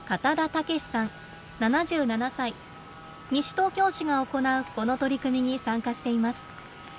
西東京市が行うこの取り組みに参加しています。